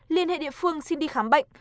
liên hệ địa phương xin đi khám bệnh